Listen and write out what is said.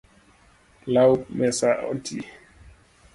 Law mesa oti